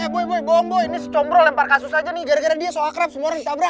yeee boi boi boi boi ini secombrol lempar kasus aja nih gara gara dia so akrab semua orang ditabrak